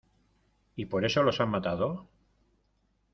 ¿ y por eso los han matado?